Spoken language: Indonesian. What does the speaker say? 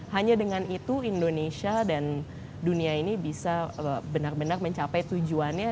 hanya dengan itu indonesia dan dunia ini bisa benar benar mencapai tujuannya